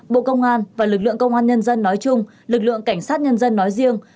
bộ công an và lực lượng công an nhân dân nói chung lực lượng cảnh sát nhân dân nói riêng